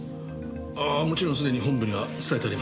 ああもちろんすでに本部には伝えてあります。